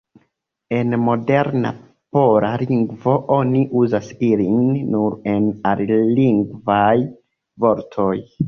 En moderna pola lingvo oni uzas ilin nur en alilingvaj vortoj.